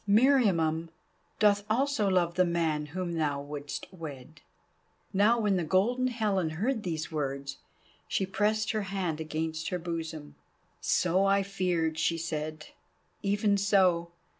Meriamun doth also love the man whom thou wouldst wed." Now when the Golden Helen heard these words, she pressed her hand against her bosom. "So I feared," she said, "even so.